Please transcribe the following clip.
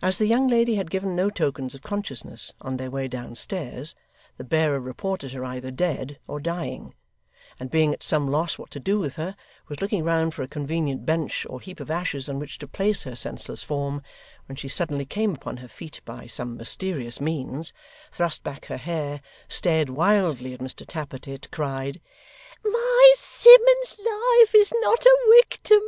As the young lady had given no tokens of consciousness on their way downstairs, the bearer reported her either dead or dying; and being at some loss what to do with her, was looking round for a convenient bench or heap of ashes on which to place her senseless form, when she suddenly came upon her feet by some mysterious means, thrust back her hair, stared wildly at Mr Tappertit, cried, 'My Simmuns's life is not a wictim!